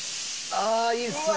ああいいですね！